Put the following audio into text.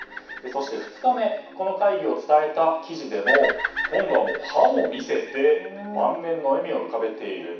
そして、２日目この会議を伝えた記事でも今度は歯も見せて満面の笑みを浮かべている。